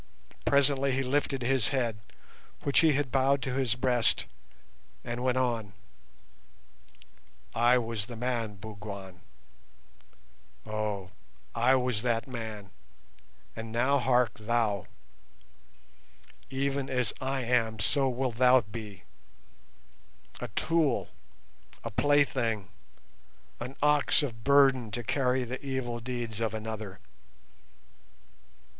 Presently he lifted his head, which he had bowed to his breast, and went on: "I was the man, Bougwan. Ou! I was that man, and now hark thou! Even as I am so wilt thou be—a tool, a plaything, an ox of burden to carry the evil deeds of another.